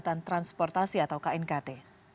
keselamatan transportasi atau knkt